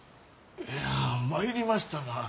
いや参りましたな。